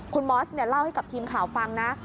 คุณมอสเล่าให้กับทีมข่าวฟังนะ